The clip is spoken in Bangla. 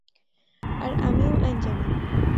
আর আমিও আইন জানি।